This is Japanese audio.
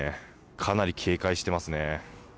かなり警戒してますね。